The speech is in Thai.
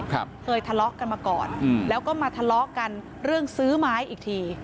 เคยทะเลาะกันมาก่อนอืมแล้วก็มาทะเลาะกันเรื่องซื้อไม้อีกที